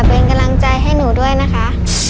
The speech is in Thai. เป็นกำลังใจให้หนูด้วยนะคะ